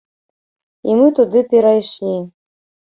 І мы туды перайшлі.